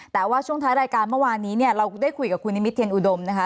แต่ว่าช่วงท้ายรายการเมื่อวานนี้เนี่ยเราได้คุยกับคุณนิมิตเทียนอุดมนะคะ